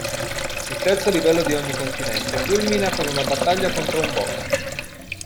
Il terzo livello di ogni continente culmina con una battaglia contro un boss.